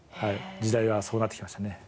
時代がそうなってきましたね。